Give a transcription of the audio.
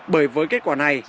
bởi với kết quả này